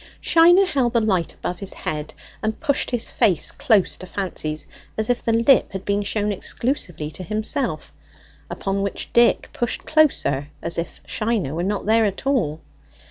Shiner held the light above his head and pushed his face close to Fancy's, as if the lip had been shown exclusively to himself, upon which Dick pushed closer, as if Shiner were not there at all.